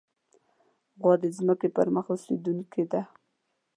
غوا د ځمکې پر مخ اوسېدونکې ده.